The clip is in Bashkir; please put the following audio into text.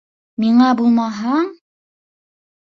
Миңә булмаһаң...